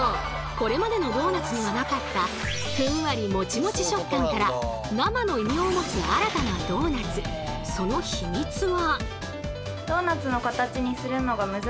これまでのドーナツにはなかったふんわりもちもち食感から“生”の異名を持つ新たなドーナツそのヒミツは。